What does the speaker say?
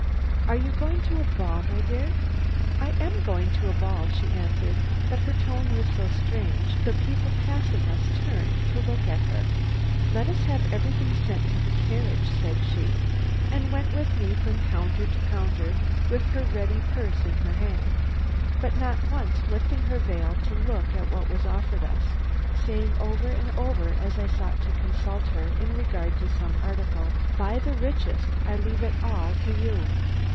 Are you going to a ball, my dear?" "I am going to a ball," she answered; but her tone was so strange the people passing us turned to look at her. "Let us have everything sent to the carriage," said she, and went with me from counter to counter with her ready purse in her hand, but not once lifting her veil to look at what was offered us, saying over and over as I sought to consult her in regard to some article: "Buy the richest; I leave it all to you."